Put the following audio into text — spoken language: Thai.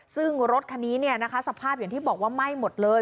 ซึ่งรถคันนี้สภาพอย่างที่บอกว่าไหม้หมดเลย